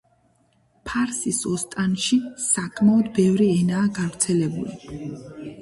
ფარსის ოსტანში საკმაოდ ბევრი ენაა გავრცელებული.